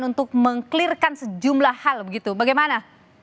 untuk mengklirkan sejumlah hal begitu bagaimana